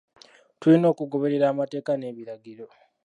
Tulina okugoberera amateeka n'ebiragiro.